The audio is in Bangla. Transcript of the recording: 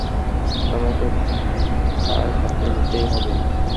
আমাকে তার কাছে যেতেই হবে!